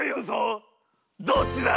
どっちだ？